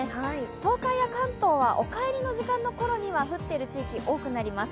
東海や関東はお帰りの時間のころには降っている地域が多くなります。